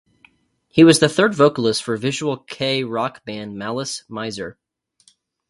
He was the third vocalist for visual kei rock band Malice Mizer.